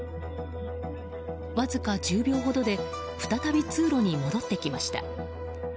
わずか１０秒ほどで再び通路に戻ってきました。